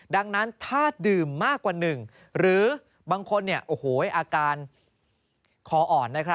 ดังนั้นถ้าดื่มมากกว่าหนึ่งหรือบางคนอาการคออ่อน